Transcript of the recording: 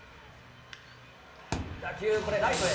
打球、これ、ライトへ。